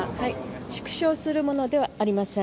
縮小するものではありません。